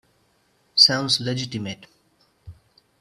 Sounds legitimate.